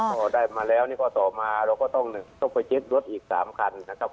ก็ได้มาแล้วนี่ก็ต่อมาเราก็ต้องไปยึดรถอีก๓คันนะครับ